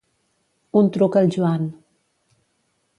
Un truc al Joan.